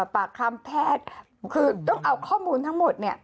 บากคำแททคือมีข้อมูลทั้งหมด